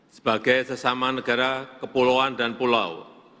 sebagai sesama negara kepulauan dan pulau